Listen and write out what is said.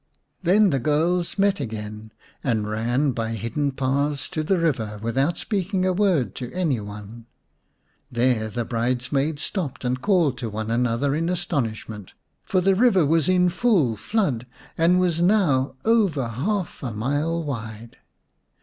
Then the girls met again and ran by hidden paths to the river without speaking a word to any one. There the bridesmaids stopped and called to one another in astonishment. For the river was in full flood and was now over half a mile wide.